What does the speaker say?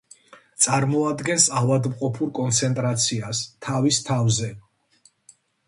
წარმოადგენს ავადმყოფურ კონცენტრაციას თავის თავზე.